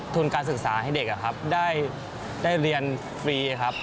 ทุนการศึกษาให้เด็กได้เรียนฟรีครับ